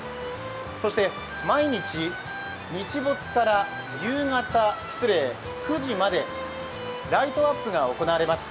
そして毎日、日没から９時までライトアップが行われます